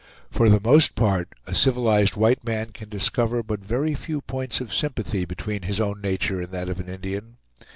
For the most part, a civilized white man can discover but very few points of sympathy between his own nature and that of an Indian.